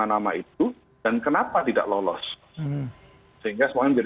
nama itu dan kenapa tidak lolos sehingga